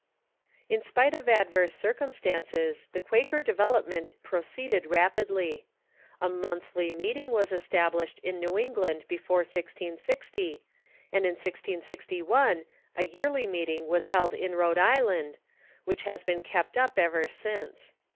In spite of adverse circumstances, the Quaker development proceeded rapidly. A Monthly Meeting was established in New England before 1660, and in 1661 a Yearly Meet ing was held in Rhode Island, which has been kept up ever since.